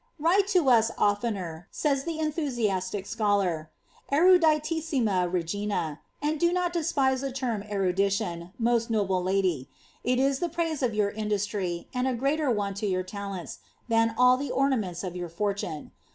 ^^ Write to us oftener,^* says the enthusiastic *cholan enidilissima rcgina^ and do not despise the term erudition, itiost noble lady ; it is the praise of your indiistr}', and a greater one to your talents ilian all die ornaments of your fortune.